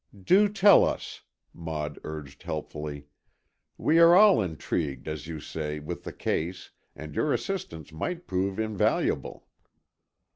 "Do tell us," Maud urged, helpfully. "We are all intrigued, as you say, with the case, and your assistance might prove invaluable."